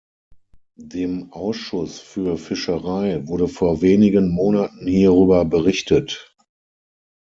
Dem Ausschuss für Fischerei wurde vor wenigen Monaten hierüber berichtet.